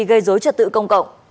gây dối trật tự công cộng